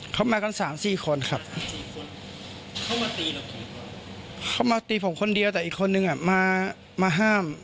เขามาตีผมคนเดียวแต่อีกคนหนึ่งมาห้าม